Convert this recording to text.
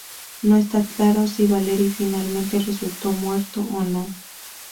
No está claro si Valery finalmente resultó muerto o no.